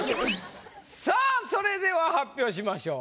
さぁそれでは発表しましょう。